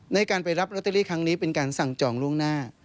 ในการไปรับลอตเตอรี่ครั้งนี้เป็นการสั่งจองล่วงหน้า